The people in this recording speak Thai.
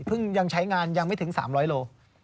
พึ่งยังใช้งานยังไม่ถึง๓๐๐กิโล